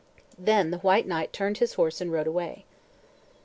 Then the white knight turned his horse and rode away.